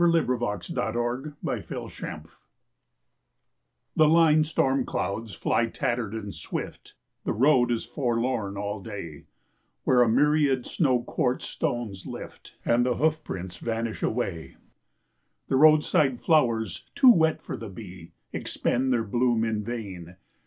A LINE STORM SONG By ROBERT FROST The line storm clouds fly tattered and swift, The road is forlorn all day, Where a myriad snowy quartz stones lift And the hoof prints vanish away; The roadside flowers, too wet for the bee, Expend their bloom in vain.